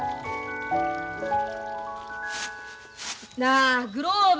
なあグローブ！